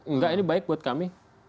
enggak ini baik buat kami